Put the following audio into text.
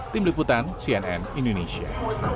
tim liputan cnn indonesia